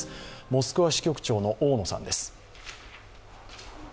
モスクワ支局長の大野さんです。